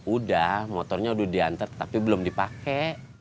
udah motornya udah diantar tapi belum dipakai